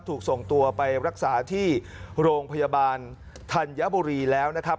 ถูกส่งตัวไปรักษาที่โรงพยาบาลธัญบุรีแล้วนะครับ